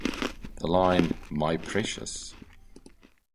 The line, My precious.